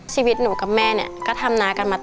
ชีวิตหนูกับแม่ก็ทำนานักันมาตลอด